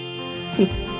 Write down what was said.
うん。